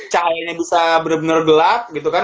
cahayanya bisa bener bener gelap gitu kan